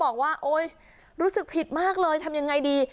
บอกว่าโอ๊ยรู้สึกผิดมากเลยทำยังไงดี